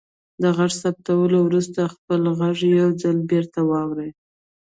د غږ ثبتولو وروسته خپل غږ یو ځل بیرته واورئ.